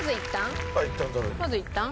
まずいったん？